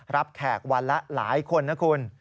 แขกวันละหลายคนนะคุณ